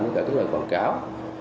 như các loại quảng cáo